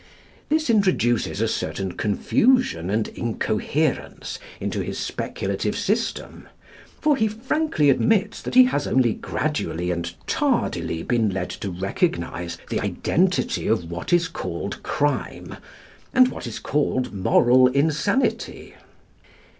This introduces a certain confusion and incoherence into his speculative system; for he frankly admits that he has only gradually and tardily been led to recognise the identity of what is called crime and what is called moral insanity.